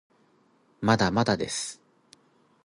まだまだです